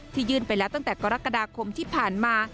ยื่นไปแล้วตั้งแต่กรกฎาคมที่ผ่านมา